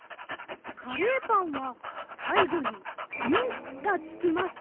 かれーぱんはさいごに「ん」がつきます。